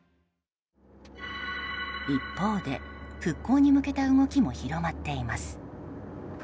一方で、復興に向けた動きも広まっています。